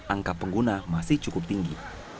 angka pengguna masih cukup tinggi